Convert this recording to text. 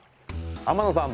天野さん